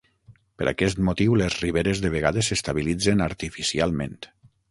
Per aquest motiu les riberes de vegades s'estabilitzen artificialment.